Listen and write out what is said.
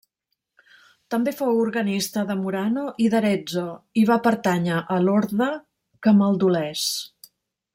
També fou organista de Murano i d'Arezzo i va pertànyer a l'Orde Camaldulès.